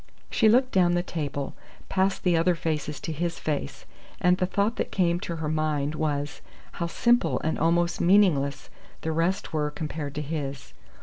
She looked down the table, past the other faces to his face, and the thought that came to her mind was, how simple and almost meaningless the rest were compared to his.